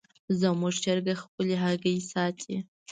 زموږ چرګه خپلې هګۍ ساتي.